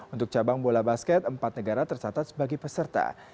untuk cabang bola basket empat negara tercatat sebagai peserta